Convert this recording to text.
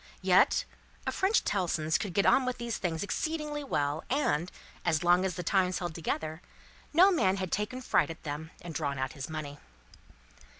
Yet, a French Tellson's could get on with these things exceedingly well, and, as long as the times held together, no man had taken fright at them, and drawn out his money.